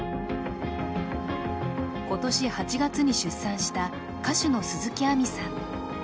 今年８月に出産した歌手の鈴木亜美さん。